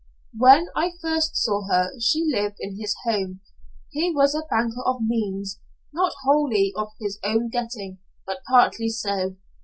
"When I first saw her, she lived in his home. He was a banker of means, not wholly of his own getting, but partly so.